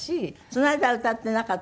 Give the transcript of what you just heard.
その間は歌っていなかったの？